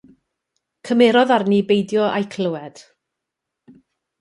Cymerodd arni beidio â'u clywed.